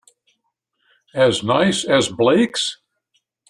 As nice as Blake's?